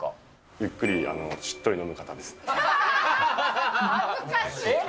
ゆっくり、しっとり飲む方で恥ずかしいな。